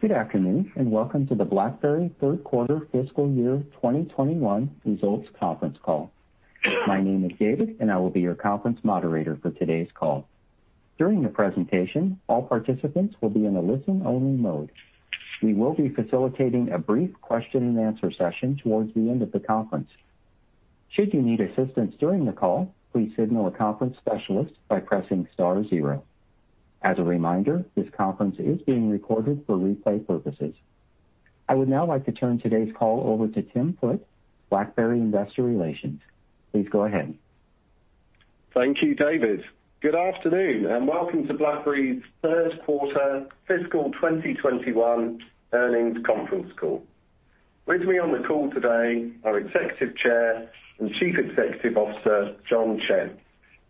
Good afternoon, welcome to the BlackBerry third quarter fiscal year 2021 results conference call. My name is David, and I will be your conference moderator for today's call. During the presentation, all participants will be in a listen-only mode. We will be facilitating a brief question and answer session towards the end of the conference. Should you need assistance during the call, please signal a conference specialist by pressing star zero. As a reminder, this conference is being recorded for replay purposes. I would now like to turn today's call over to Tim Foote, BlackBerry Investor Relations. Please go ahead. Thank you, David. Good afternoon, and welcome to BlackBerry's third quarter fiscal 2021 earnings conference call. With me on the call today, our Executive Chair and Chief Executive Officer, John Chen,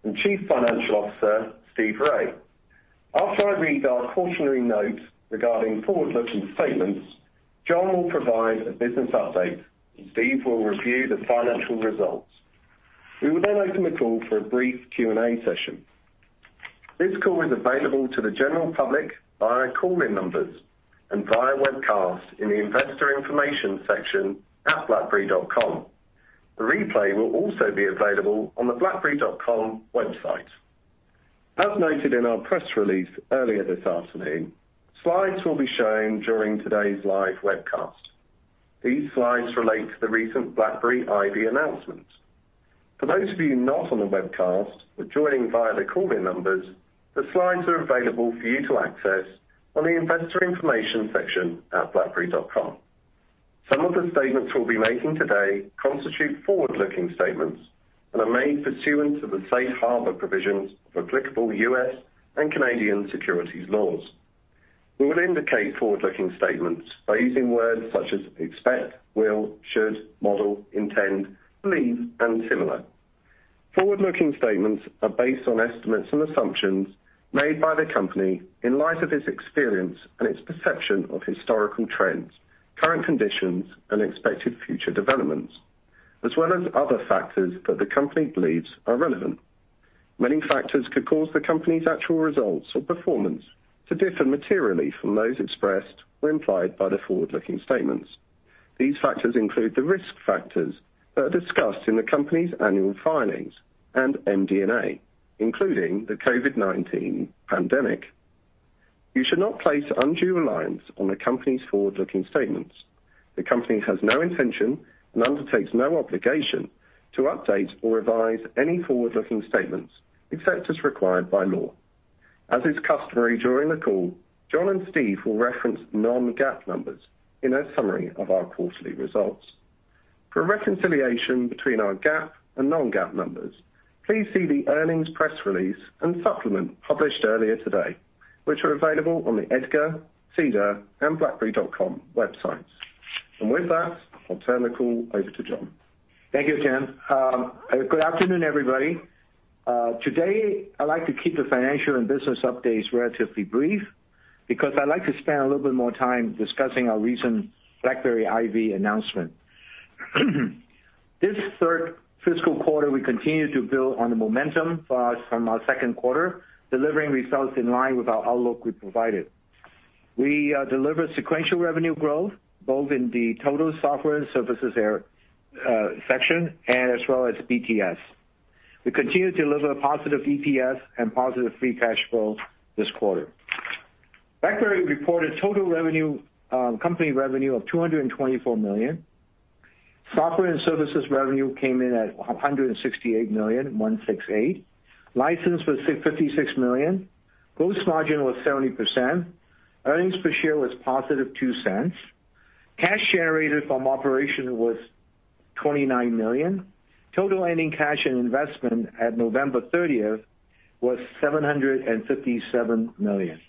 and Chief Financial Officer, Steve Rai. After I read our cautionary note regarding forward-looking statements, John will provide a business update, and Steve will review the financial results. We will then open the call for a brief Q&A session. This call is available to the general public via call-in numbers and via webcast in the investor information section at blackberry.com. The replay will also be available on the blackberry.com website. As noted in our press release earlier this afternoon, slides will be shown during today's live webcast. These slides relate to the recent BlackBerry IVY announcement. For those of you not on the webcast but joining via the call-in numbers, the slides are available for you to access on the investor information section at blackberry.com. Some of the statements we'll be making today constitute forward-looking statements and are made pursuant to the safe harbor provisions for applicable U.S. and Canadian securities laws. We will indicate forward-looking statements by using words such as expect, will, should, model, intend, believe, and similar. Forward-looking statements are based on estimates and assumptions made by the company in light of its experience and its perception of historical trends, current conditions, and expected future developments, as well as other factors that the company believes are relevant. Many factors could cause the company's actual results or performance to differ materially from those expressed or implied by the forward-looking statements. These factors include the risk factors that are discussed in the company's annual filings and MD&A, including the COVID-19 pandemic. You should not place undue reliance on the company's forward-looking statements. The company has no intention and undertakes no obligation to update or revise any forward-looking statements except as required by law. As is customary during the call, John and Steve will reference non-GAAP numbers in their summary of our quarterly results. For a reconciliation between our GAAP and non-GAAP numbers, please see the earnings press release and supplement published earlier today, which are available on the EDGAR, SEDAR, and blackberry.com websites. With that, I'll turn the call over to John. Thank you, Tim. Good afternoon, everybody. Today, I'd like to keep the financial and business updates relatively brief because I'd like to spend a little bit more time discussing our recent BlackBerry IVY announcement. This third fiscal quarter, we continued to build on the momentum from our second quarter, delivering results in line with our outlook we provided. We delivered sequential revenue growth both in the total software and services section and as well as BTS. We continued to deliver a positive EPS and positive free cash flow this quarter. BlackBerry reported total company revenue of $224 million. Software and services revenue came in at $168 million, $168. License was $56 million. Gross margin was 70%. Earnings per share was positive $0.02. Cash generated from operation was $29 million. Total ending cash and investment at November 30th was $757 million.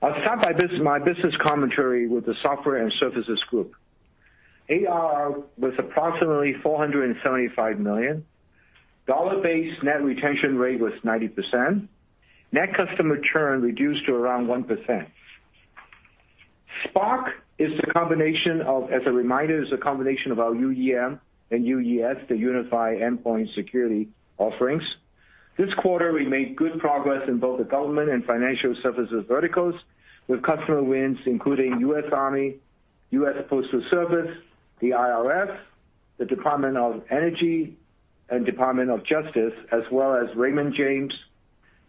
I'll start my business commentary with the software and services group. ARR was approximately $475 million. Dollar-based net retention rate was 90%. Net customer churn reduced to around 1%. BlackBerry Spark, as a reminder, is a combination of our BlackBerry UEM and BlackBerry UES, the unified endpoint security offerings. This quarter, we made good progress in both the government and financial services verticals with customer wins including U.S. Army, U.S. Postal Service, the IRS, the Department of Energy, and Department of Justice, as well as Raymond James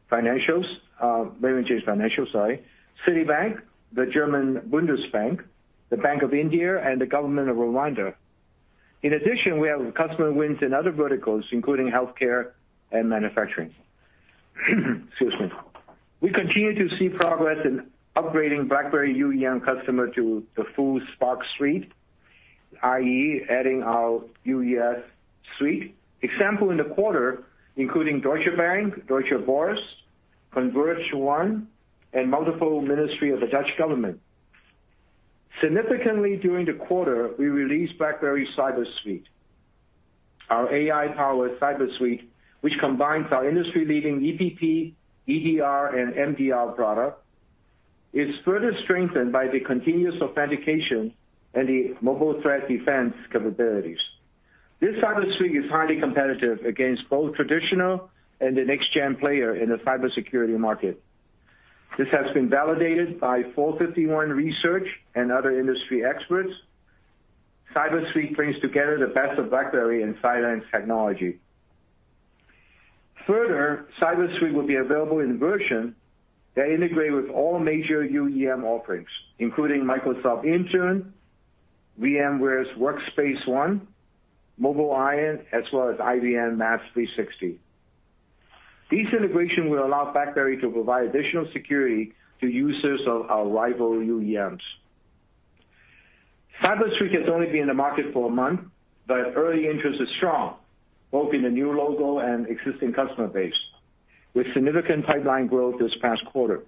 Financial, Citibank, the Deutsche Bundesbank, the Bank of India, and the government of Rwanda. We have customer wins in other verticals, including healthcare and manufacturing. Excuse me. We continue to see progress in upgrading BlackBerry UEM customer to the full BlackBerry Spark suite, i.e., adding our UES suite. Example in the quarter, including Deutsche Bank, Deutsche Börse, ConvergeOne, and multiple ministry of the Dutch government. Significantly during the quarter, we released BlackBerry Cyber Suite. Our AI-powered Cyber Suite, which combines our industry-leading EPP, EDR, and MDR product, is further strengthened by the continuous authentication and the mobile threat defense capabilities. This Cyber Suite is highly competitive against both traditional and the next-gen player in the cybersecurity market. This has been validated by 451 Research and other industry experts. Cyber Suite brings together the best of BlackBerry and Cylance technology. Further, Cyber Suite will be available in versions that integrate with all major UEM offerings, including Microsoft Intune, VMware's Workspace ONE, MobileIron, as well as IBM MaaS360. This integration will allow BlackBerry to provide additional security to users of our rival UEMs. Cyber Suite has only been in the market for a month, but early interest is strong, both in the new logo and existing customer base, with significant pipeline growth this past quarter.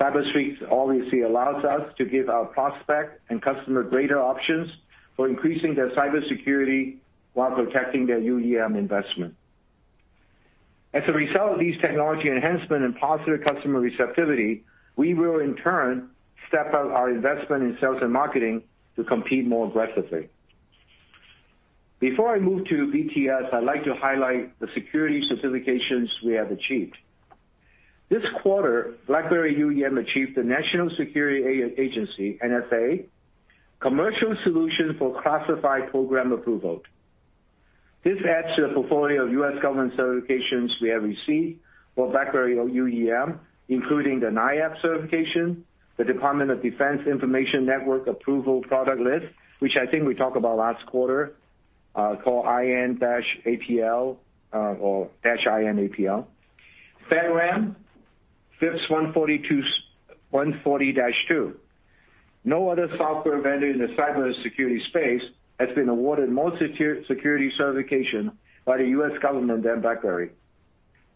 Cyber Suite obviously allows us to give our prospects and customers greater options for increasing their cybersecurity while protecting their UEM investment. As a result of these technology enhancements and positive customer receptivity, we will, in turn, step up our investment in sales and marketing to compete more aggressively. Before I move to BTS, I'd like to highlight the security certifications we have achieved. This quarter, BlackBerry UEM achieved the National Security Agency (NSA) commercial solution for classified program approval. This adds to the portfolio of U.S. government certifications we have received for BlackBerry UEM, including the NIAP certification, the Department of Defense Information Network Approved Product List, which I think we talked about last quarter, called IN-APL or -INAPL, FedRAMP, FIPS 140-2. No other software vendor in the cybersecurity space has been awarded more security certification by the U.S. government than BlackBerry.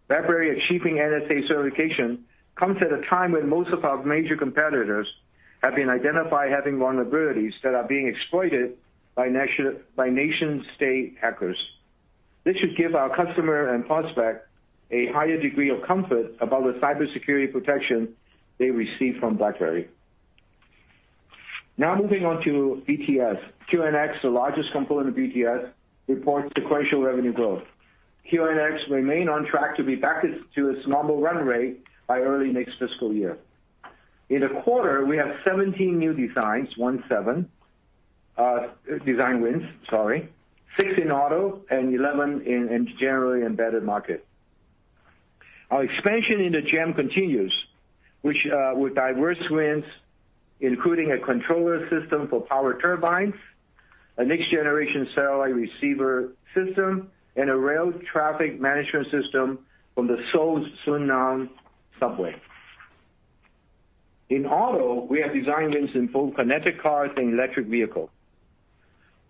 BlackBerry achieving NSA certification comes at a time when most of our major competitors have been identified having vulnerabilities that are being exploited by nation state hackers. This should give our customer and prospect a higher degree of comfort about the cybersecurity protection they receive from BlackBerry. Moving on to BTS. QNX, the largest component of BTS, reports sequential revenue growth. QNX remains on track to be back to its normal run rate by early next fiscal year. In the quarter, we have 17 new designs, design wins, sorry, 16 auto, and 11 in general embedded market. Our expansion in the GEM continues, with diverse wins, including a controller system for power turbines, a next generation satellite receiver system, and a rail traffic management system from the Seoul Suseo Subway. In auto, we have design wins in both connected cars and electric vehicles.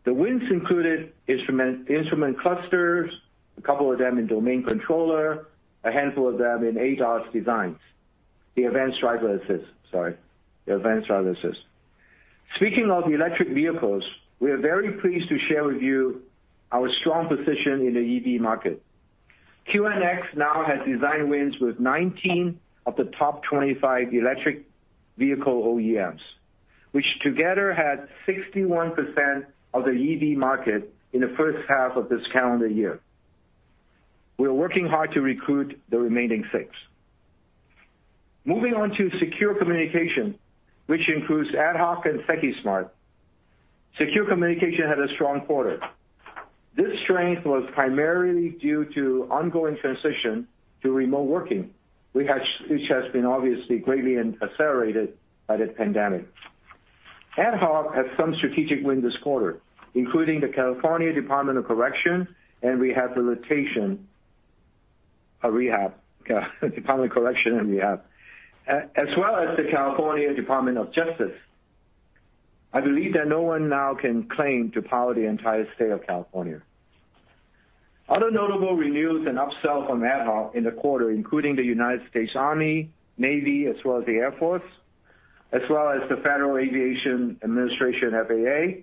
The wins included instrument clusters, a couple of them in domain controller, a handful of them in ADAS designs, the advanced driver assist. Speaking of electric vehicles, we are very pleased to share with you our strong position in the EV market. QNX now has design wins with 19 of the top 25 electric vehicle OEMs, which together had 61% of the EV market in the first half of this calendar year. We are working hard to recruit the remaining six. Moving on to secure communication, which includes AtHoc and Secusmart. Secure communication had a strong quarter. This strength was primarily due to ongoing transition to remote working, which has been obviously greatly accelerated by the pandemic. AtHoc had some strategic wins this quarter, including the California Department of Corrections and Rehabilitation, as well as the California Department of Justice. I believe that no one now can claim to power the entire state of California. Other notable renewals and upsells from AtHoc in the quarter, including the United States Army, Navy, as well as the Air Force, as well as the Federal Aviation Administration, FAA.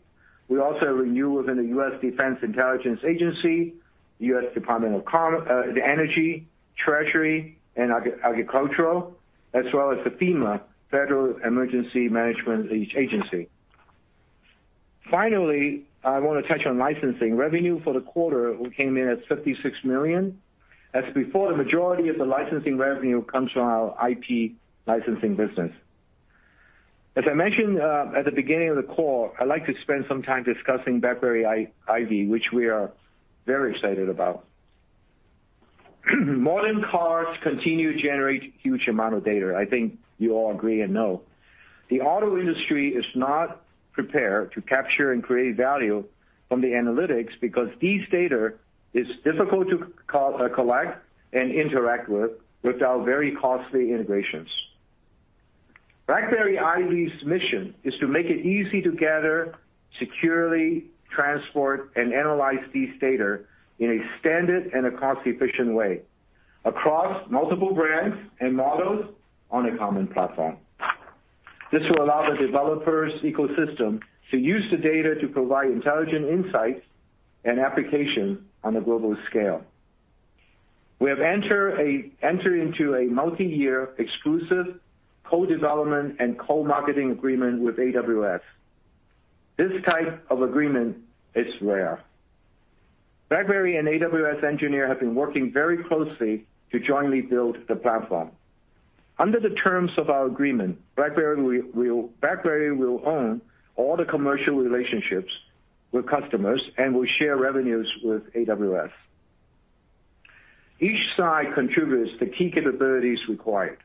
We also renew within the U.S. Defense Intelligence Agency, U.S. Department of Energy, Treasury, and Agricultural, as well as the FEMA, Federal Emergency Management Agency. Finally, I want to touch on licensing. Revenue for the quarter came in at $56 million. As before, the majority of the licensing revenue comes from our IP licensing business. As I mentioned at the beginning of the call, I'd like to spend some time discussing BlackBerry IVY, which we are very excited about. Modern cars continue to generate huge amounts of data, I think you all agree and know. The auto industry is not prepared to capture and create value from the analytics because this data is difficult to collect and interact with without very costly integrations. BlackBerry IVY's mission is to make it easy to gather, securely transport, and analyze this data in a standard and a cost-efficient way across multiple brands and models on a common platform. This will allow the developers' ecosystem to use the data to provide intelligent insights and applications on a global scale. We have entered into a multi-year exclusive co-development and co-marketing agreement with AWS. This type of agreement is rare. BlackBerry and AWS engineers have been working very closely to jointly build the platform. Under the terms of our agreement, BlackBerry will own all the commercial relationships with customers and will share revenues with AWS. Each side contributes the key capabilities required.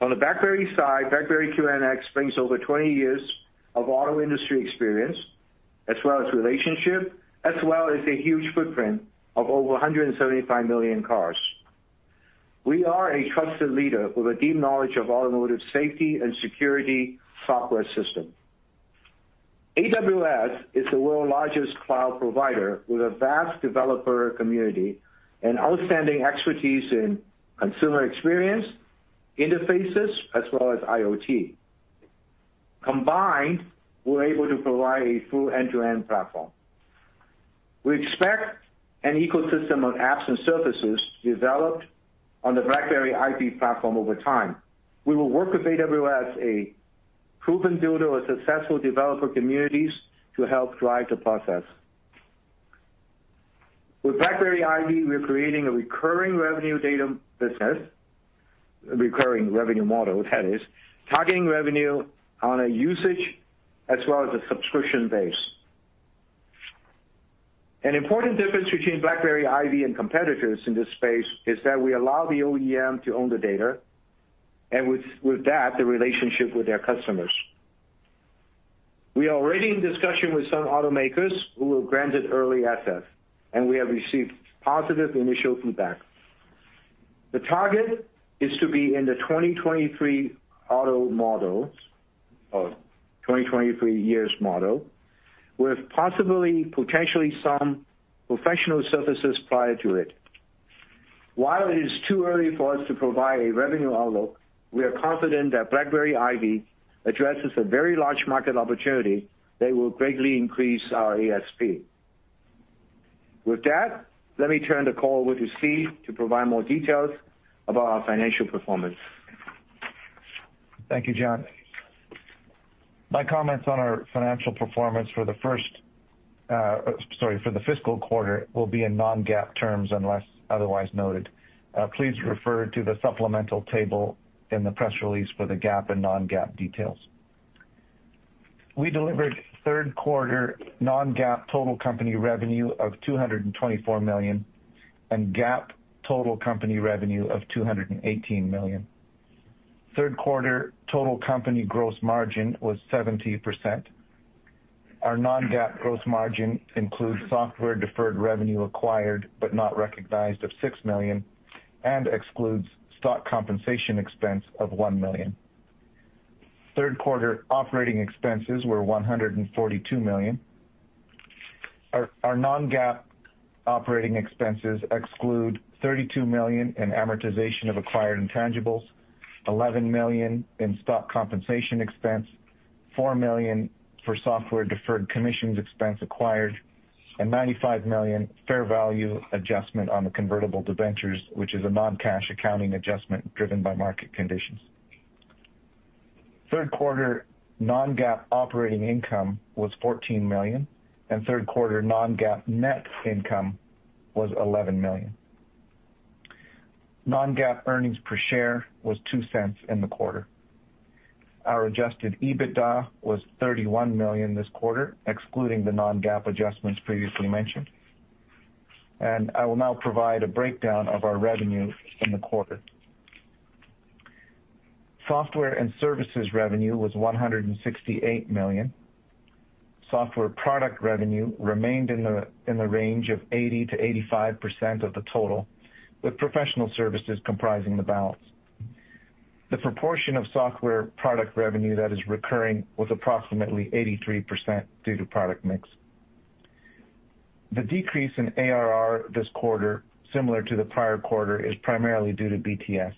On the BlackBerry side, BlackBerry QNX brings over 20 years of auto industry experience, as well as relationship, as well as a huge footprint of over 175 million cars. We are a trusted leader with a deep knowledge of automotive safety and security software system. AWS is the world's largest cloud provider with a vast developer community and outstanding expertise in consumer experience, interfaces, as well as IoT. Combined, we're able to provide a full end-to-end platform. We expect an ecosystem of apps and services developed on the BlackBerry IVY platform over time. We will work with AWS, a proven builder with successful developer communities, to help drive the process. With BlackBerry IVY, we are creating a recurring revenue data business, recurring revenue model that is, targeting revenue on a usage as well as a subscription base. An important difference between BlackBerry IVY and competitors in this space is that we allow the OEM to own the data, and with that, the relationship with their customers. We are already in discussion with some automakers who were granted early access, and we have received positive initial feedback. The target is to be in the 2023 year's model, with possibly potentially some professional services prior to it. While it is too early for us to provide a revenue outlook, we are confident that BlackBerry IVY addresses a very large market opportunity that will greatly increase our ASP. With that, let me turn the call over to Steve to provide more details about our financial performance. Thank you, John. My comments on our financial performance for the fiscal quarter will be in non-GAAP terms unless otherwise noted. Please refer to the supplemental table in the press release for the GAAP and non-GAAP details. We delivered third quarter non-GAAP total company revenue of $224 million and GAAP total company revenue of $218 million. Third quarter total company gross margin was 70%. Our non-GAAP gross margin includes software deferred revenue acquired but not recognized of $6 million and excludes stock compensation expense of $1 million. Third quarter operating expenses were $142 million. Our non-GAAP operating expenses exclude $32 million in amortization of acquired intangibles, $11 million in stock compensation expense, $4 million for software deferred commissions expense acquired, and $95 million fair value adjustment on the convertible debentures, which is a non-cash accounting adjustment driven by market conditions. Third quarter non-GAAP operating income was $14 million, and third quarter non-GAAP net income was $11 million. Non-GAAP earnings per share was $0.02 in the quarter. Our adjusted EBITDA was $31 million this quarter, excluding the non-GAAP adjustments previously mentioned. I will now provide a breakdown of our revenue in the quarter. Software and services revenue was $168 million. Software product revenue remained in the range of 80%-85% of the total, with professional services comprising the balance. The proportion of software product revenue that is recurring was approximately 83% due to product mix. The decrease in ARR this quarter, similar to the prior quarter, is primarily due to BTS.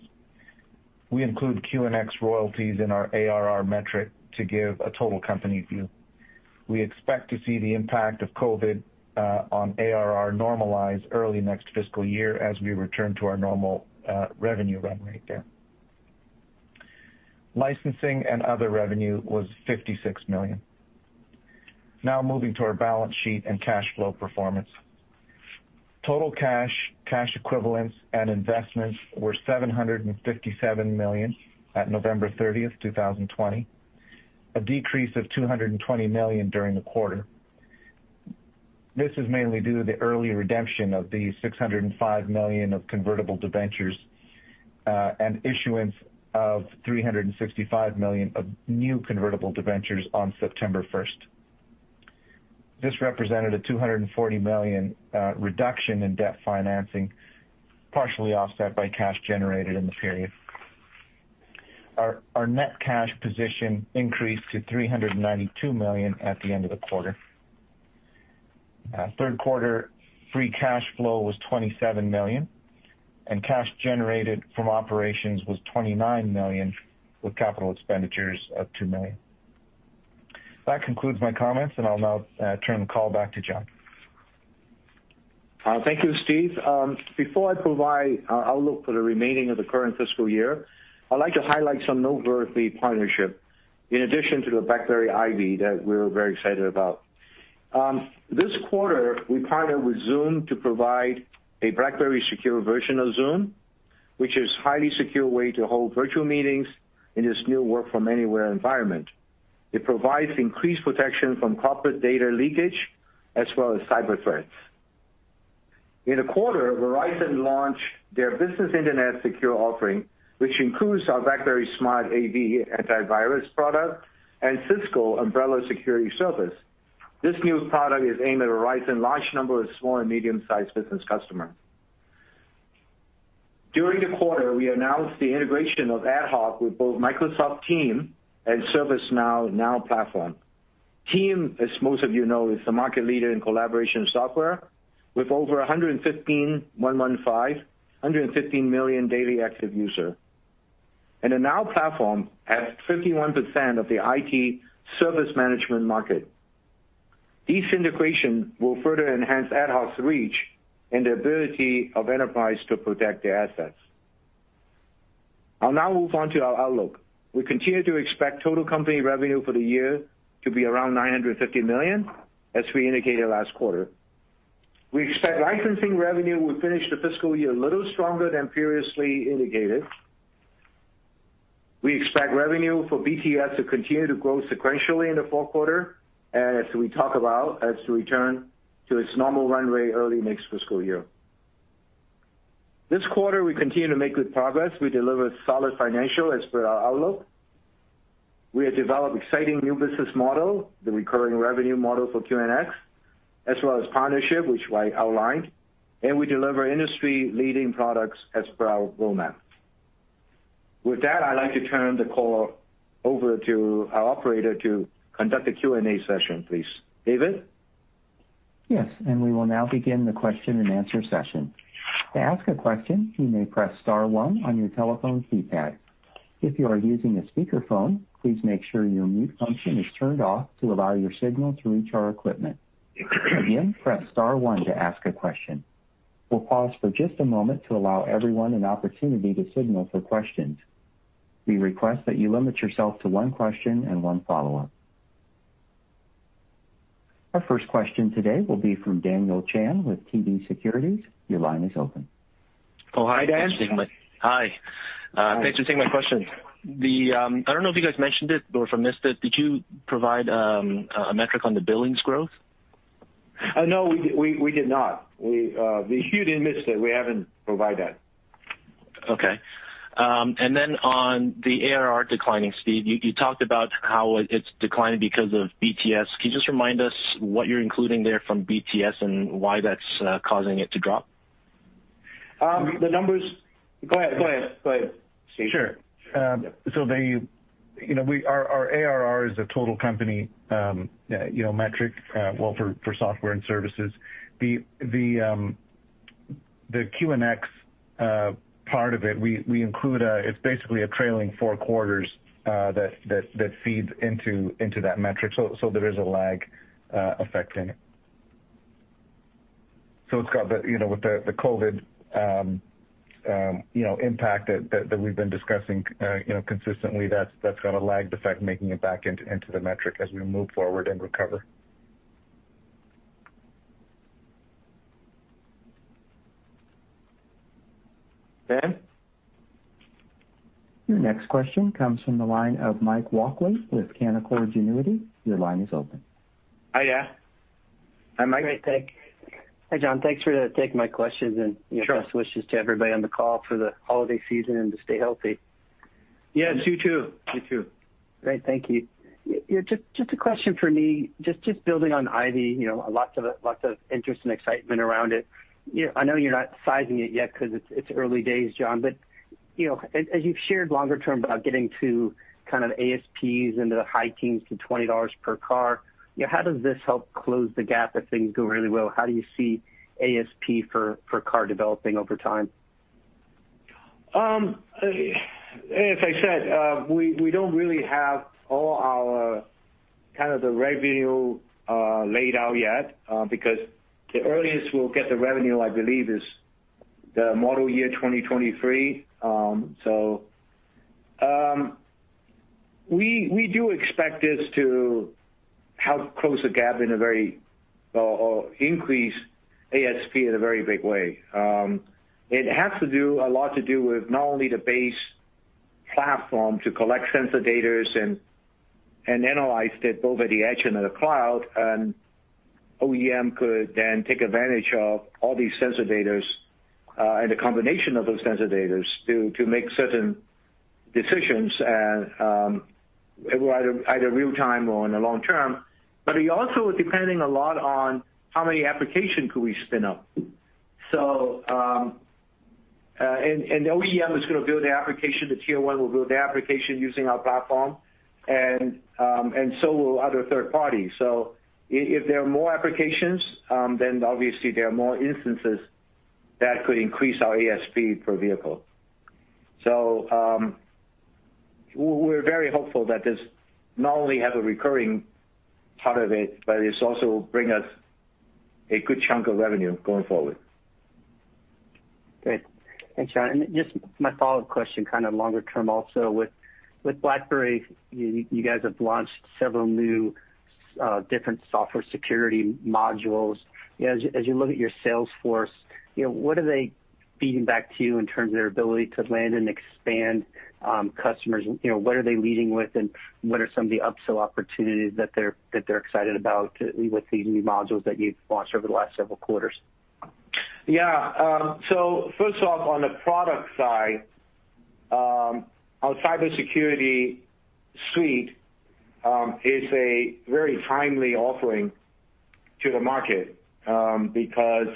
We include QNX royalties in our ARR metric to give a total company view. We expect to see the impact of COVID on ARR normalize early next fiscal year as we return to our normal revenue run rate there. Licensing and other revenue was $56 million. Now moving to our balance sheet and cash flow performance. Total cash equivalents, and investments were $757 million at November 30th, 2020, a decrease of $220 million during the quarter. This is mainly due to the early redemption of the $605 million of convertible debentures and issuance of $365 million of new convertible debentures on September 1st. This represented a $240 million reduction in debt financing, partially offset by cash generated in the period. Our net cash position increased to $392 million at the end of the quarter. Third quarter free cash flow was $27 million, and cash generated from operations was $29 million, with capital expenditures of $2 million. That concludes my comments, and I'll now turn the call back to John. Thank you, Steve. Before I provide our outlook for the remaining of the current fiscal year, I'd like to highlight some noteworthy partnership in addition to the BlackBerry IVY that we're very excited about. This quarter, we partnered with Zoom to provide a BlackBerry secure version of Zoom, which is highly secure way to hold virtual meetings in this new work from anywhere environment. It provides increased protection from corporate data leakage as well as cyber threats. In the quarter, Verizon launched their business internet secure offering, which includes our Cylance Smart Antivirus product and Cisco Umbrella security service. This new product is aimed at Verizon large number of small and medium-sized business customer. During the quarter, we announced the integration of AtHoc with both Microsoft Teams and ServiceNow Now Platform. Microsoft Teams, as most of you know, is the market leader in collaboration software with over 115 million daily active user. The Now Platform has 51% of the IT service management market. These integration will further enhance AtHoc's reach and the ability of enterprise to protect their assets. I'll now move on to our outlook. We continue to expect total company revenue for the year to be around $950 million, as we indicated last quarter. We expect licensing revenue will finish the fiscal year a little stronger than previously indicated. We expect revenue for BTS to continue to grow sequentially in the fourth quarter, and as we talk about, as we return to its normal runway early next fiscal year. This quarter, we continue to make good progress. We delivered solid financial as per our outlook. We have developed exciting new business model, the recurring revenue model for QNX, as well as partnership, which I outlined. We deliver industry-leading products as per our roadmap. With that, I'd like to turn the call over to our operator to conduct a Q&A session, please. David? Yes, we will now begin the question and answer session. To ask a question, you may press star one on your telephone keypad. If you are using a speakerphone, please make sure your mute function is turned off to allow your signal to reach our equipment. Again, press star one to ask a question. We will pause for just a moment to allow everyone an opportunity to signal for questions. We request that you limit yourself to one question and one follow-up. Our first question today will be from Daniel Chan with TD Securities. Your line is open. Oh, hi, Dan. Hi. Hi. Thanks for taking my question. I don't know if you guys mentioned it or if I missed it, did you provide a metric on the billings growth? No, we did not. You didn't miss it. We haven't provided that. Okay. On the ARR declining speed, you talked about how it's declining because of BTS. Can you just remind us what you're including there from BTS and why that's causing it to drop? Go ahead, Steve. Sure. Our ARR is a total company metric for software and services. The QNX part of it's basically a trailing four quarters that feeds into that metric. There is a lag effect in it. With the COVID impact that we've been discussing consistently, that's going to lag the effect, making it back into the metric as we move forward and recover. Dan? Your next question comes from the line of Mike Walkley with Canaccord Genuity. Your line is open. Hi. Hi, Mike. Great, thanks. Hi, John. Thanks for taking my questions. Sure. Best wishes to everybody on the call for the holiday season and to stay healthy. Yes, you too. Great. Thank you. Just a question for me, just building on IVY, lots of interest and excitement around it. I know you're not sizing it yet because it's early days, John. As you've shared longer term about getting to kind of ASPs into the high teens to $20 per car, how does this help close the gap if things go really well? How do you see ASP for car developing over time? As I said, we don't really have all our kind of the revenue laid out yet because the earliest we'll get the revenue, I believe, is the model year 2023. We do expect this to help close the gap or increase ASP in a very big way. It has a lot to do with not only the base platform to collect sensor data and analyze it both at the edge and in the cloud. OEM could then take advantage of all these sensor data and the combination of those sensor data to make certain decisions at either real-time or in the long term. It also is depending a lot on how many application could we spin up. The OEM is going to build the application, the tier one will build the application using our platform, so will other third parties. If there are more applications, then obviously there are more instances that could increase our ASP per vehicle. We're very hopeful that this not only have a recurring part of it, but it also will bring us a good chunk of revenue going forward. Great. Thanks, John. Just my follow-up question, kind of longer-term also with BlackBerry, you guys have launched several new different software security modules. As you look at your sales force, what are they feeding back to you in terms of their ability to land and expand customers? What are they leading with, and what are some of the upsell opportunities that they're excited about with the new modules that you've launched over the last several quarters? First off, on the product side, our cybersecurity suite is a very timely offering to the market because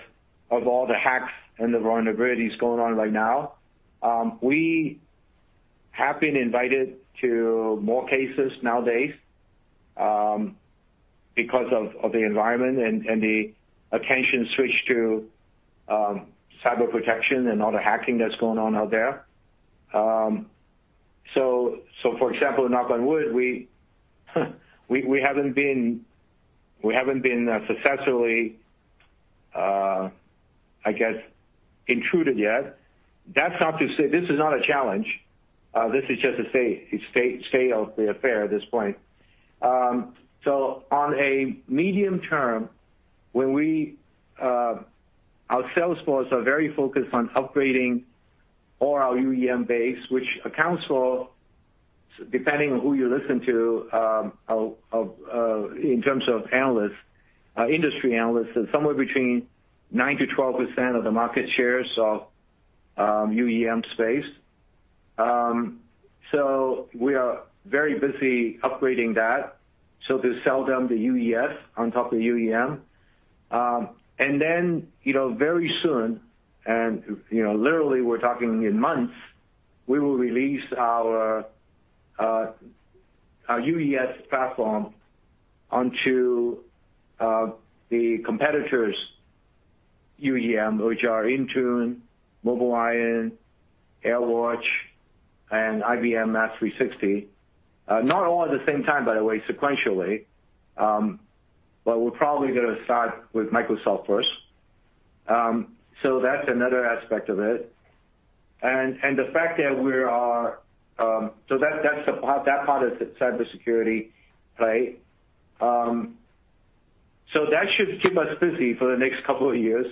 of all the hacks and the vulnerabilities going on right now. We have been invited to more cases nowadays because of the environment and the attention switch to cyber protection and all the hacking that's going on out there. For example, knock on wood, we haven't been successfully, I guess, intruded yet. That's not to say this is not a challenge. This is just a stale affair at this point. On a medium term, our sales force are very focused on upgrading all our UEM base, which accounts for, depending on who you listen to in terms of industry analysts, is somewhere between 9%-12% of the market share, UEM space. We are very busy upgrading that. To sell them the UES on top of the UEM. Then, very soon, and literally we're talking in months, we will release our UES platform onto the competitors' UEM, which are Intune, MobileIron, AirWatch, and IBM MaaS360. Not all at the same time, by the way, sequentially, but we're probably going to start with Microsoft first. That's another aspect of it. That part is the cybersecurity play. That should keep us busy for the next couple of years,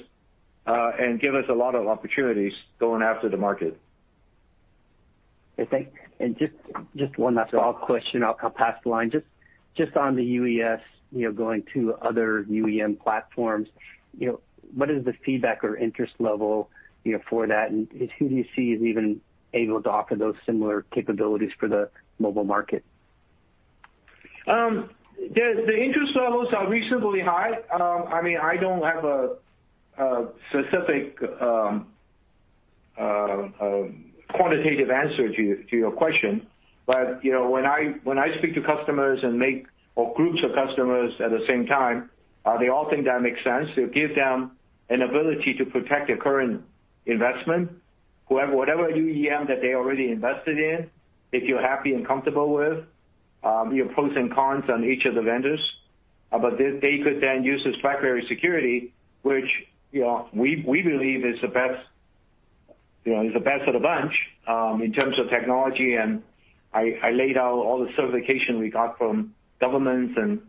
and give us a lot of opportunities going after the market. Okay. Just one last follow-up question, I'll pass the line. Just on the UES, going to other UEM platforms, what is the feedback or interest level for that, and who do you see is even able to offer those similar capabilities for the mobile market? The interest levels are reasonably high. I don't have a specific quantitative answer to your question. When I speak to customers or groups of customers at the same time, they all think that makes sense. It gives them an ability to protect their current investment, whatever UEM that they already invested in, if you're happy and comfortable with your pros and cons on each of the vendors. They could then use this BlackBerry security, which we believe is the best of the bunch in terms of technology, and I laid out all the certification we got from governments, and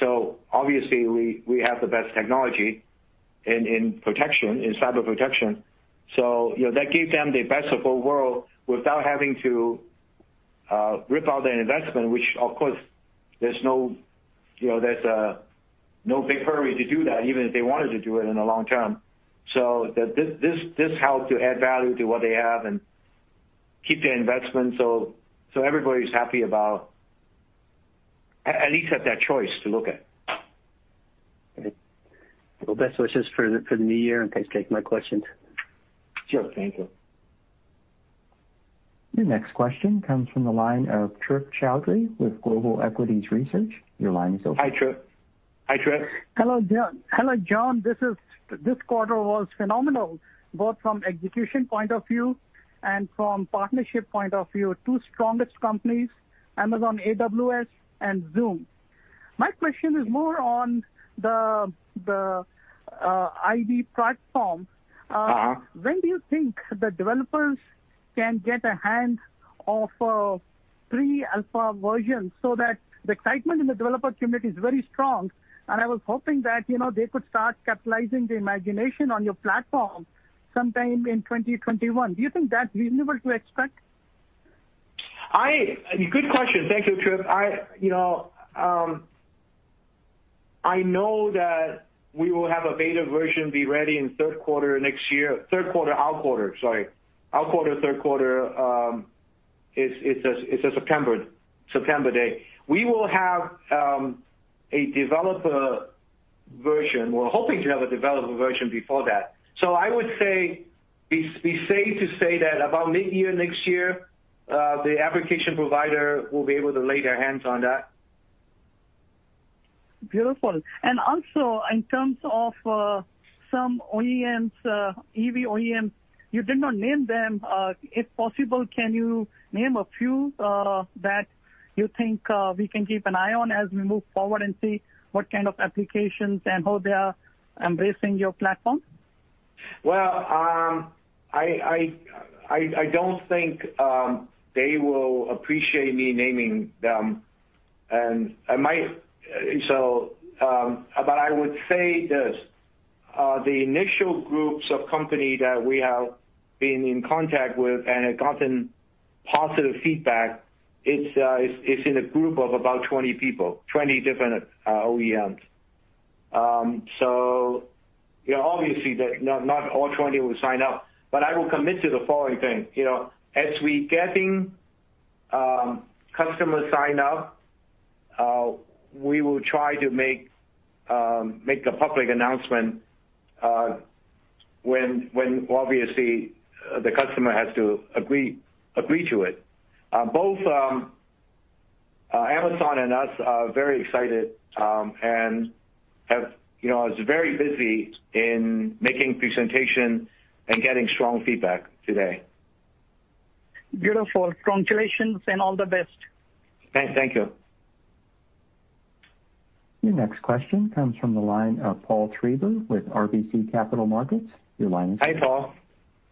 so obviously we have the best technology in cyber protection. That gave them the best of both worlds without having to rip out their investment, which of course, there's no big hurry to do that, even if they wanted to do it in a long term. This helps to add value to what they have and keep their investment, so everybody's happy about at least have that choice to look at. Okay. Well, best wishes for the new year. Thanks for taking my questions. Sure. Thank you. Your next question comes from the line of Trip Chowdhry with Global Equities Research. Your line is open. Hi, Trip. Hello, John. This quarter was phenomenal, both from execution point of view and from partnership point of view. Two strongest companies, Amazon AWS and Zoom. My question is more on the IVY platform. When do you think the developers can get a hand of pre-alpha version, so that the excitement in the developer community is very strong, and I was hoping that they could start capitalizing the imagination on your platform sometime in 2021. Do you think that's reasonable to expect? Good question. Thank you, Trip. I know that we will have a beta version be ready in third quarter next year. Third quarter, our quarter, sorry. Our quarter, third quarter, it's a September date. We will have a developer version. We're hoping to have a developer version before that. I would say be safe to say that about mid-year next year, the application provider will be able to lay their hands on that. Beautiful. Also in terms of some OEMs, EV OEMs, you did not name them. If possible, can you name a few that you think we can keep an eye on as we move forward and see what kind of applications and how they are embracing your platform? Well, I don't think they will appreciate me naming them. I would say this, the initial groups of company that we have been in contact with and have gotten positive feedback, it's in a group of about 20 people, 20 different OEMs. Obviously, not all 20 will sign up, I will commit to the following thing. As we getting customers sign up, we will try to make a public announcement when, obviously, the customer has to agree to it. Both Amazon and us are very excited, I was very busy in making presentation and getting strong feedback today. Beautiful. Congratulations and all the best. Thank you. Your next question comes from the line of Paul Treiber with RBC Capital Markets. Your line is open.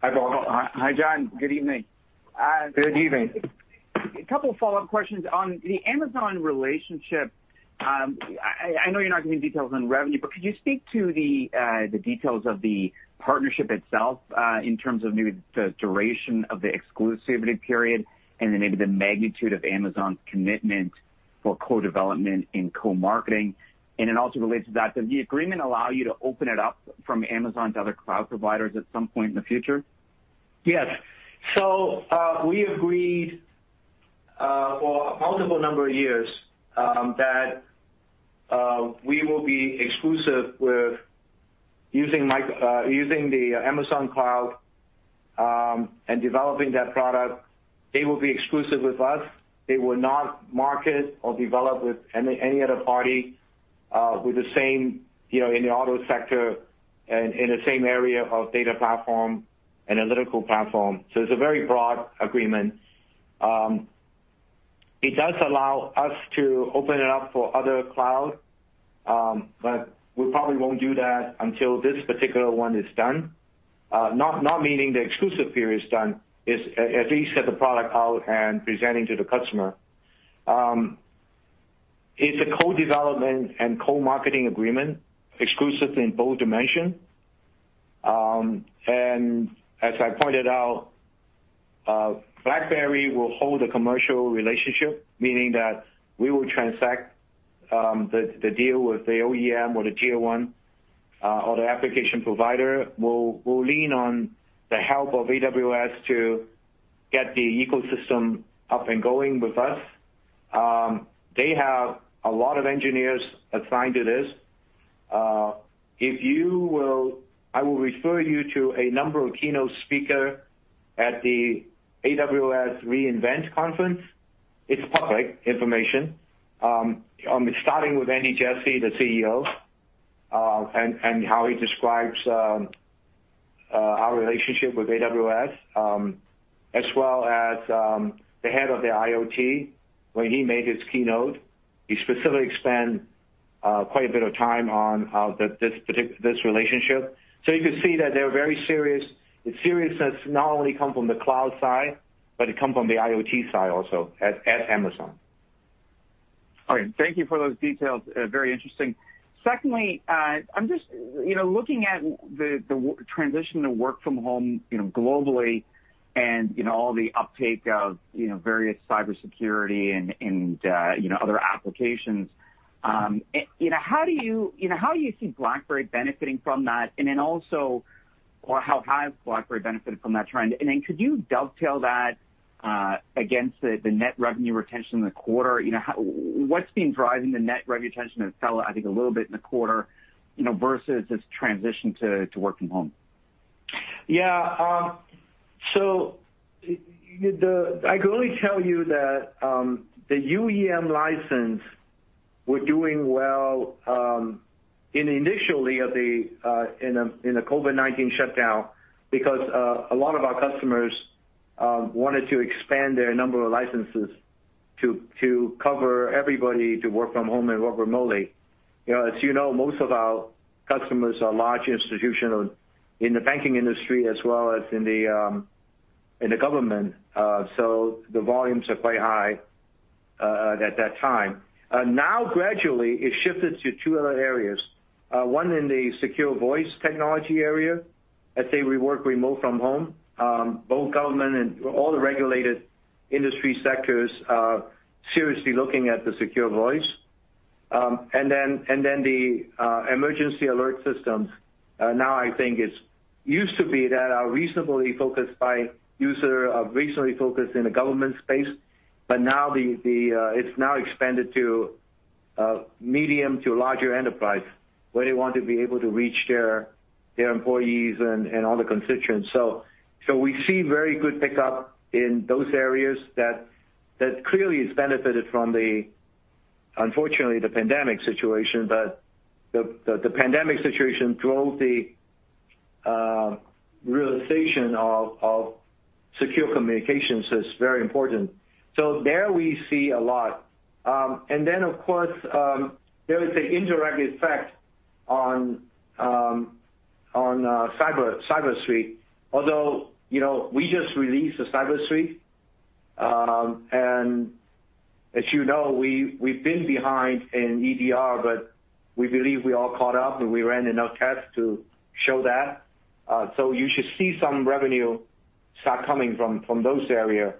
Hi, Paul. Hi, John. Good evening. Good evening. A couple follow-up questions. On the Amazon relationship, I know you're not giving details on revenue, but could you speak to the details of the partnership itself, in terms of maybe the duration of the exclusivity period and then maybe the magnitude of Amazon's commitment for co-development and co-marketing? Also related to that, does the agreement allow you to open it up from Amazon to other cloud providers at some point in the future? Yes. We agreed for a multiple number of years, that we will be exclusive with using the Amazon cloud and developing that product. They will be exclusive with us. They will not market or develop with any other party in the auto sector and in the same area of data platform, analytical platform. It's a very broad agreement. It does allow us to open it up for other cloud, but we probably won't do that until this particular one is done. Not meaning the exclusive period is done. It's at least get the product out and presenting to the customer. It's a co-development and co-marketing agreement, exclusive in both dimension. As I pointed out, BlackBerry will hold the commercial relationship, meaning that we will transact the deal with the OEM or the tier one or the application provider. We'll lean on the help of AWS to get the ecosystem up and going with us. They have a lot of engineers assigned to this. I will refer you to a number of keynote speaker at the AWS re:Invent conference. It's public information. Starting with Andy Jassy, the CEO, and how he describes our relationship with AWS, as well as the head of the IoT. When he made his keynote, he specifically spent quite a bit of time on this relationship. You could see that they're very serious. The seriousness not only come from the cloud side, but it come from the IoT side also at Amazon. All right. Thank you for those details. Very interesting. Secondly, I'm just looking at the transition to work from home globally and all the uptake of various cybersecurity and other applications. How do you see BlackBerry benefiting from that? How has BlackBerry benefited from that trend? Could you dovetail that against the net revenue retention in the quarter? What's been driving the net revenue retention to fall, I think, a little bit in the quarter, versus this transition to working from home? I can only tell you that the UEM license were doing well initially in the COVID-19 shutdown because a lot of our customers wanted to expand their number of licenses to cover everybody to work from home and work remotely. As you know, most of our customers are large institutional in the banking industry as well as in the government. The volumes are quite high at that time. Gradually, it shifted to two other areas. One in the secure voice technology area, as they work remote from home. Both government and all the regulated industry sectors are seriously looking at the secure voice. The emergency alert systems. It used to be that are reasonably focused by user, are reasonably focused in the government space. It's now expanded to medium to larger enterprise, where they want to be able to reach their employees and all the constituents. We see very good pickup in those areas that clearly has benefited from, unfortunately, the pandemic situation, but the pandemic situation drove the realization of secure communications as very important. There we see a lot. Then, of course, there is an indirect effect on CyberSuite, although, we just released the CyberSuite. As you know, we've been behind in EDR, but we believe we are caught up, and we ran enough tests to show that. You should see some revenue start coming from those areas.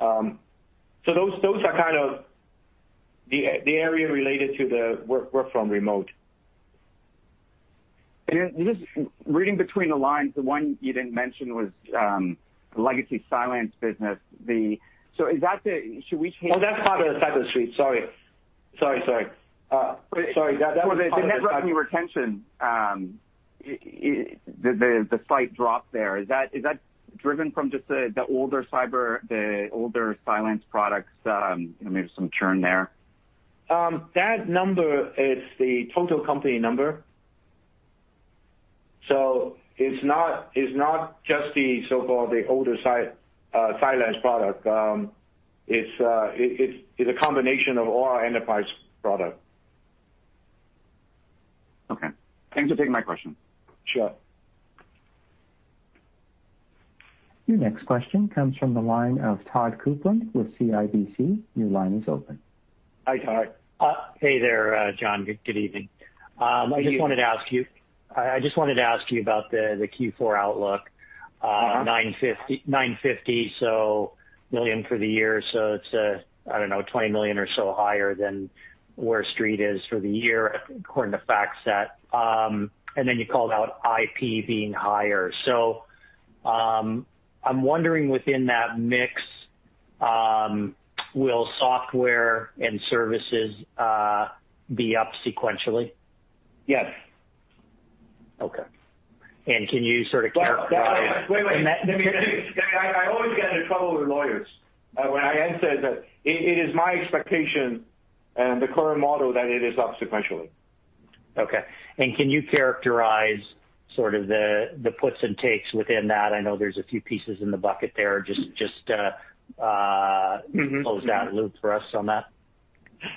Those are kind of the area related to the work from remote. Just reading between the lines, the one you didn't mention was the legacy Cylance business. Should we take- Oh, that's part of the CyberSuite. Sorry. For the net revenue retention, the slight drop there, is that driven from just the older Cyber, the older Cylance products? Maybe some churn there. That number is the total company number. It's not just the so-called, the older Cylance product. It's a combination of all our enterprise product. Okay. Thanks for taking my question. Sure. Your next question comes from the line of Todd Coupland with CIBC. Your line is open. Hi, Todd. Hey there, John. Good evening. Good evening. I just wanted to ask you about the Q4 outlook. $950 million for the year. It's, I don't know, $20 million or so higher than where Street is for the year, according to FactSet. You called out IP being higher. I'm wondering within that mix, will software and services be up sequentially? Yes. Okay. can you sort of characterize-? Wait, wait. I always get into trouble with lawyers when I answer that. It is my expectation and the current model that it is up sequentially. Okay. Can you characterize sort of the puts and takes within that? I know there's a few pieces in the bucket there. close that loop for us on that.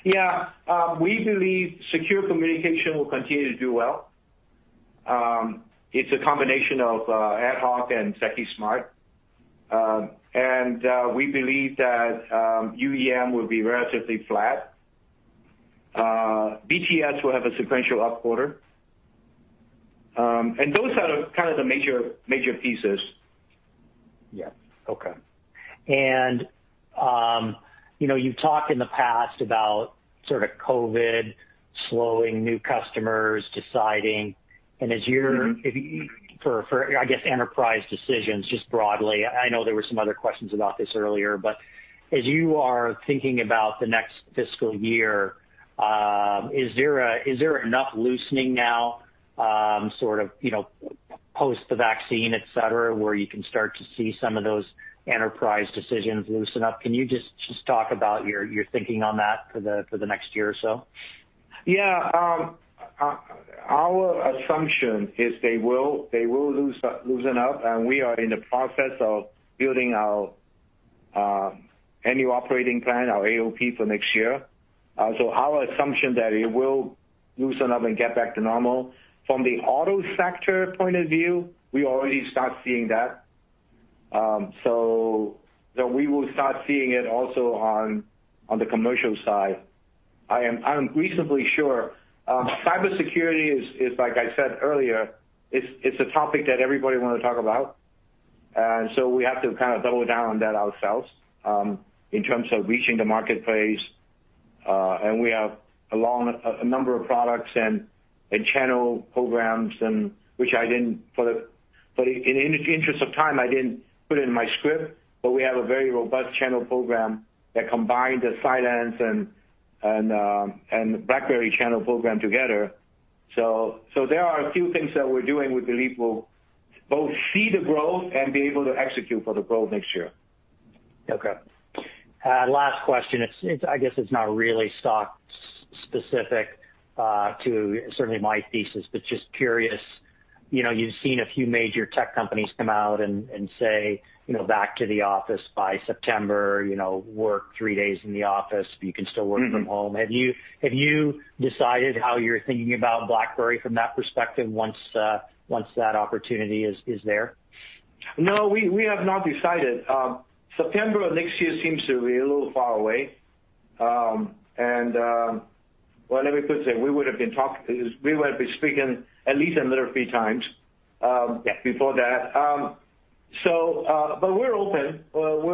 Yeah. We believe secure communication will continue to do well. It's a combination of AtHoc and Secusmart. We believe that UEM will be relatively flat. BTS will have a sequential up quarter. Those are kind of the major pieces. Yeah. Okay. You've talked in the past about sort of COVID slowing new customers deciding, and as you're for, I guess, enterprise decisions just broadly. I know there were some other questions about this earlier, but as you are thinking about the next fiscal year, is there enough loosening now, sort of, post the vaccine, et cetera, where you can start to see some of those enterprise decisions loosen up? Can you just talk about your thinking on that for the next year or so? Yeah. Our assumption is they will loosen up, and we are in the process of building our annual operating plan, our AOP for next year. Our assumption that it will loosen up and get back to normal. From the auto sector point of view, we already start seeing that. We will start seeing it also on the commercial side. I am reasonably sure. Cybersecurity is like I said earlier, it's a topic that everybody want to talk about. We have to kind of double down on that ourselves, in terms of reaching the marketplace. We have a number of products and channel programs, and which I didn't, in the interest of time, I didn't put it in my script, but we have a very robust channel program that combined the Cylance and BlackBerry channel program together. There are a few things that we're doing we believe will both see the growth and be able to execute for the growth next year. Okay. Last question. I guess it's not really stock specific to certainly my thesis, but just curious. You've seen a few major tech companies come out and say, back to the office by September, work three days in the office, but you can still work from home. Have you decided how you're thinking about BlackBerry from that perspective once that opportunity is there? No, we have not decided. September of next year seems to be a little far away. Well, let me put it simply, we would have been speaking at least another few times. Yeah before that. We're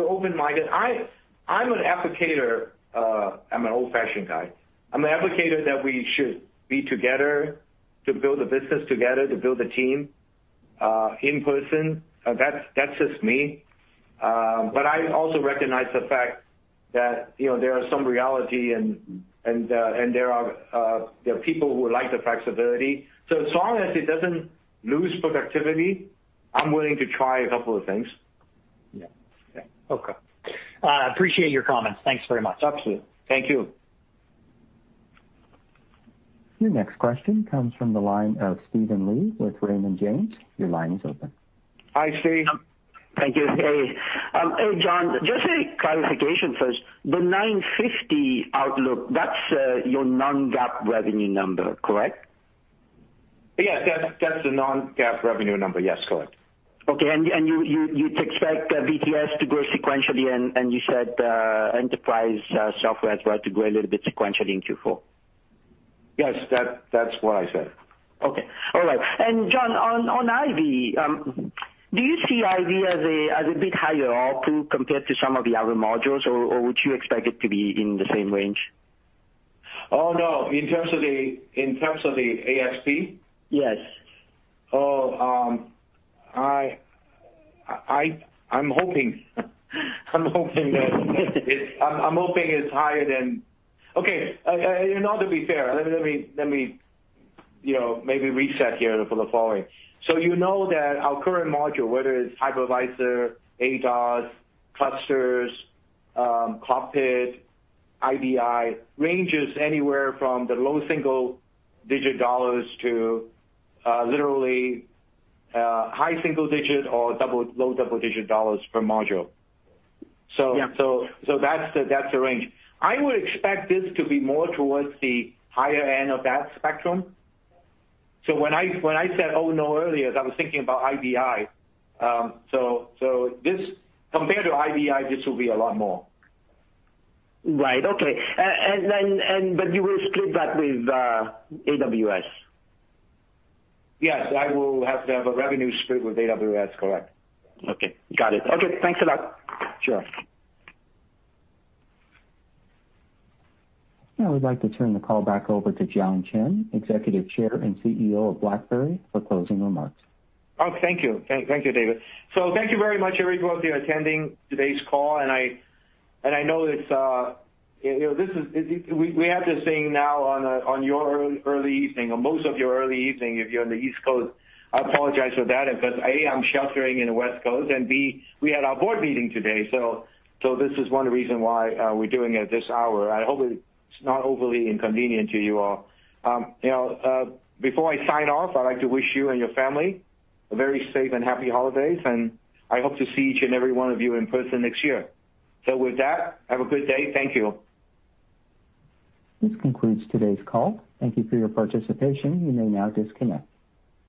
open-minded. I'm an advocator. I'm an old-fashioned guy. I'm an advocator that we should be together to build a business together, to build a team, in person. That's just me. I also recognize the fact that there are some reality and there are people who like the flexibility. As long as it doesn't lose productivity, I'm willing to try a couple of things. Yeah. Okay. I appreciate your comments. Thanks very much. Absolutely. Thank you. Your next question comes from the line of Steven Lee with Raymond James. Your line is open. Hi, Steve. Thank you. Hey. John, just a clarification first. The $950 outlook, that's your non-GAAP revenue number, correct? Yes, that's the non-GAAP revenue number. Yes, correct. Okay. You'd expect BTS to grow sequentially, you said enterprise software as well to grow a little bit sequentially in Q4? Yes. That's what I said. Okay. All right. John, on IVY, do you see IVY as a bit higher ARPU compared to some of the other modules, or would you expect it to be in the same range? Oh, no. In terms of the ASP? Yes. I'm hoping it's higher than Okay. In order to be fair, let me maybe reset here for the following. You know that our current module, whether it's Hypervisor, ADAS, Clusters, Cockpit, IVI, ranges anywhere from the low single-digit dollars to literally high single-digit or low double-digit dollars per module. Yeah. That's the range. I would expect this to be more towards the higher end of that spectrum. When I said, "Oh, no" earlier, I was thinking about IVI. Compared to IVI, this will be a lot more. Right. Okay. You will split that with AWS? Yes. I will have to have a revenue split with AWS. Correct. Okay. Got it. Okay. Thanks a lot. Sure. I would like to turn the call back over to John Chen, Executive Chair and CEO of BlackBerry, for closing remarks. Thank you. Thank you, David. Thank you very much, everyone, for attending today's call. I know we have this thing now on your early evening, or most of your early evening, if you're on the East Coast. I apologize for that because, A, I'm sheltering in the West Coast, and B, we had our board meeting today, so this is one reason why we're doing it at this hour. I hope it's not overly inconvenient to you all. Before I sign off, I'd like to wish you and your family a very safe and happy holidays, and I hope to see each and every one of you in person next year. With that, have a good day. Thank you. This concludes today's call. Thank you for your participation. You may now disconnect.